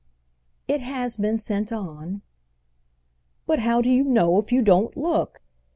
"It has been sent on." "But how do you know if you don't look?"